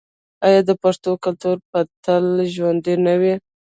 آیا د پښتنو کلتور به تل ژوندی نه وي؟